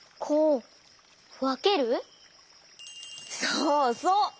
そうそう！